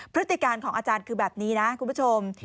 พฤติการของอาจารย์คือแบบนี้นะคุณผู้ชม